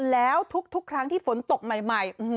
แล้วทุกครั้งที่ฝนตกใหม่